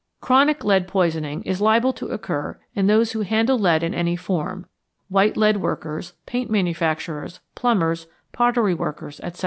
Chronic lead poisoning is liable to occur in those who handle lead in any form white lead workers, paint manufacturers, plumbers, pottery workers, etc.